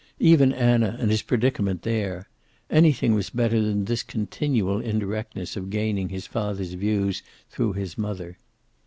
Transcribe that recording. Even Anna, and his predicament there. Anything was better than this constant indirectness of gaining his father's views through his mother.